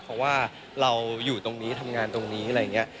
เพราะว่าเราอยู่ตรงนี้ทำงานตรงนี้อะไรอย่างนี้